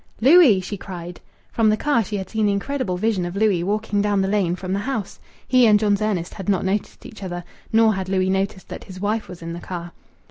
"Louis!" she cried. From the car she had seen the incredible vision of Louis walking down the lane from the house. He and John's Ernest had not noticed each other, nor had Louis noticed that his wife was in the car.